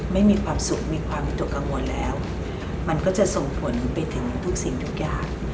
ไม่มีความสุขมีความวิตกกังวลแล้วมันก็จะส่งผลไปถึงทุกสิ่งทุกอย่าง